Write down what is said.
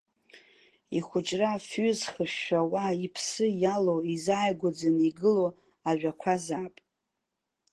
Ихәыҷра афҩы зхышәшәауа, иԥсы иалоу, изааигәаӡаны игылоу ажәақәазаап.